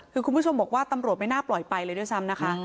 คือคุณผู้ชมบอกว่าตำรวจไม่น่าปล่อยไปเลยด้วยซ้ำนะคะ